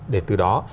để từ đó